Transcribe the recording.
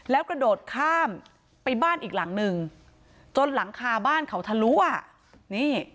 แล้วกระโดดข้ามไปบ้านอีกหลังนึงจนหลังคาบ้านเขาทะลุอ่ะนี่